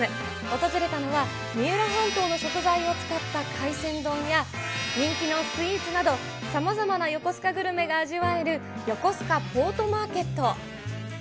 訪れたのは、三浦半島の食材を使った海鮮丼や、人気のスイーツなど、さまざまな横須賀グルメが味わえる、ヨコスカポートマーケット。